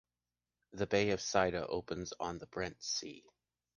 The bay of Saïda opens on the Barents Sea.